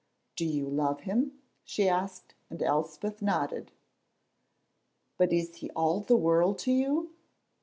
"Do you love him?" she asked, and Elspeth nodded. "But is he all the world to you?"